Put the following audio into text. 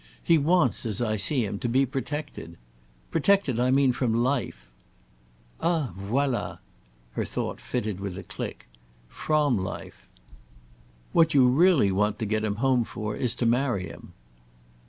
He wants, as I see him, to be protected. Protected I mean from life." "Ah voilà!"—her thought fitted with a click. "From life. What you really want to get him home for is to marry him."